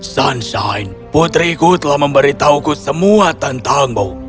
sunshine putriku telah memberitahuku semua tentangmu